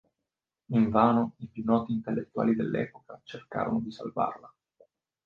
Invano i più noti intellettuali dell'epoca cercarono di salvarla.